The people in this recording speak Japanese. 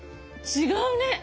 違うね。